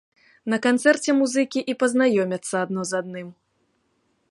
На канцэрце музыкі і пазнаёмяцца адно з адным.